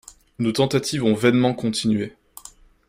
nos tentatives ont vainement continué.